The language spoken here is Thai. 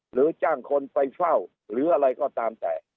หรือจ้างคนไปเฝ้าหรืออะไรก็ตามแต่